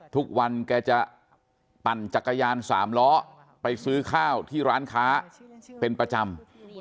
ทุกวันแกจะปั่นจักรยานสามล้อไปซื้อข้าวที่ร้านค้าเป็นประจำ